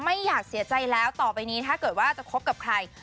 ไม่อยากเสียใจแล้วต่อไปนี้ถ้าเกิดว่าจะคบกับใคร